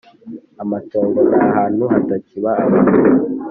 amatongo nahantu hatakiba abantu.